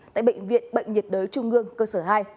tại bệnh viện bệnh nhiệt đới trung ương cơ sở hai